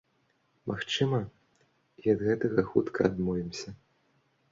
Магчыма, і ад гэтага хутка адмовімся.